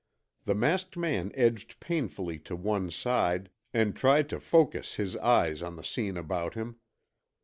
The masked man edged painfully to one side and tried to focus his eyes on the scene about him.